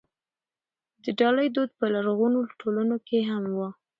د ډالۍ دود په لرغونو ټولنو کې هم و.